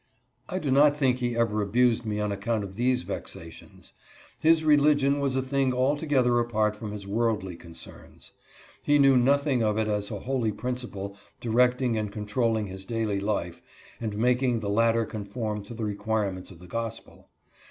I do not think he ever abused me on account of these vexations. His religion was a thing altogether apart from his worldly concerns. He knew nothing of it as a holy principle directing and controlling his daily life and making the latter conform to the require ments of the gospel.